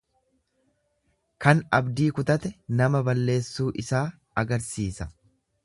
Kan abdii kutate nama balleessuu isaa agarsiisa.